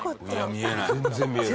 見えない。